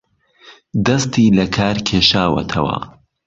دەستی لەکار کێشاوەتەوە